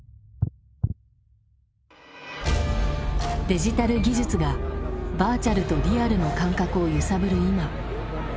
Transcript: デジタル技術がバーチャルとリアルの感覚を揺さぶる今。